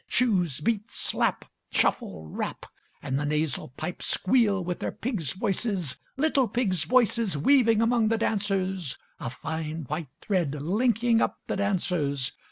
Shoes beat, slap, Shuffle, rap, And the nasal pipes squeal with their pigs' voices, Little pigs' voices Weaving among the dancers, A fine white thread Linking up the dancers.